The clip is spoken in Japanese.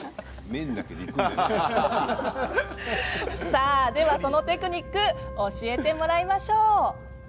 さあ、ではそのテクニック教えてもらいましょう。